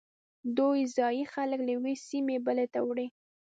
دوی ځایی خلک له یوې سیمې بلې ته وړي